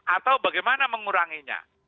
atau bagaimana menguranginya